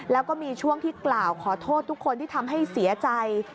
แล้วก็มีช่วงที่กล่าวขอโทษทุกคนที่ทำให้เสียใจ